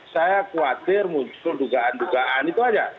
saya khawatir muncul dugaan dugaan itu aja